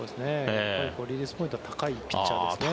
リリースポイントが高いピッチャーですね。